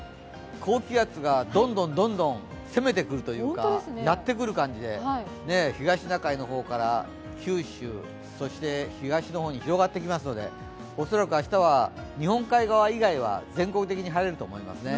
高気圧がどんどん攻めてくるというか、やってくる感じで、東シナ海の方から九州東の方に広がってきますので恐らく明日は日本海側以外は全国的に晴れると思いますね。